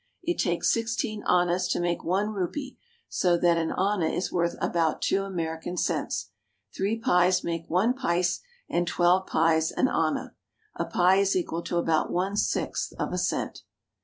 It takes sixteen annas to make one rupee, so that an anna is worth about two American cents. Three pies make one pice, and twelve pies an anna. A pie is equal to about one sixth of a cent.